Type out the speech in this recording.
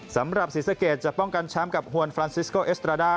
ศรีสะเกดจะป้องกันแชมป์กับฮวนฟรานซิสโกเอสตราด้า